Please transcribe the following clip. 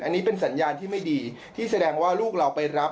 อันนี้เป็นสัญญาณที่ไม่ดีที่แสดงว่าลูกเราไปรับ